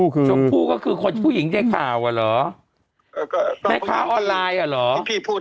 ก็คือชมผู้